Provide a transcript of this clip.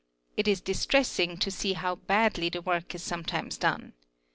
It is distressing to see how badly the work is some times done.